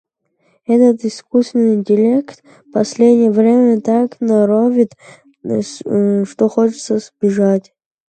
Этот искусственный интеллект, последнее время, так и норовит сбежать.